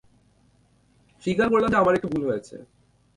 স্বীকার করলাম যে আমার একটু ভুল হয়েছে।